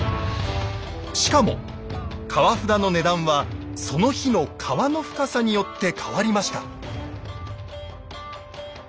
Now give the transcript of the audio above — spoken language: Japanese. しかも「川札」の値段はその日の川の深さによって変わりました。